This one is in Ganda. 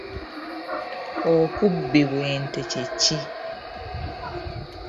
Okubbi bw'ente kye ki?